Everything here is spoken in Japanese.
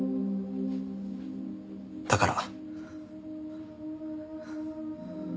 だから。